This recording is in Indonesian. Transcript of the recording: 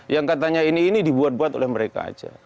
yang katanya ini ini dibuat buat oleh mereka aja